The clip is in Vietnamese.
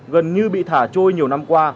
gần như bị thả trôi nhiều năm qua